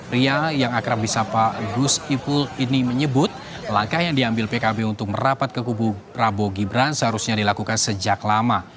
ria yang akrab di sapa gus ipul ini menyebut langkah yang diambil pkb untuk merapat ke kubu prabowo gibran seharusnya dilakukan sejak lama